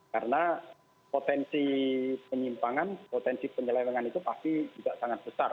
karena potensi penyimpangan potensi penyelewengan itu pasti tidak sangat besar